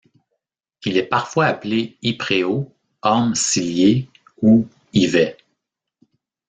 Il est parfois appelé Ipréau, Orme cilié ou Yvet.